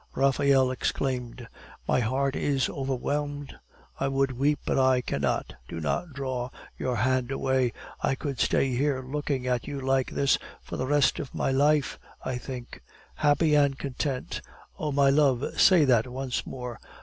Raphael exclaimed. "My heart is overwhelmed; I would weep, but I cannot. Do not draw your hand away. I could stay here looking at you like this for the rest of my life, I think; happy and content." "O my love, say that once more!"